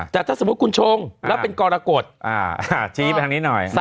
แต่ถ้าสมมุติคุณชงแล้วเป็นกรกฎชี้ไปทางนี้หน่อย